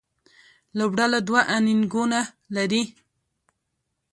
لوبډله دوه انینګونه لري.